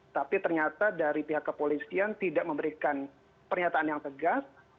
tapi ternyata dari pihak kepolisian tidak memberikan pernyataan yang tegas